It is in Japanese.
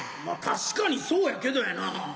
まあ確かにそうやけどやな。